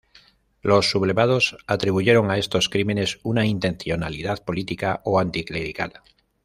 Los sublevados atribuyeron a estos crímenes una intencionalidad política o anticlerical.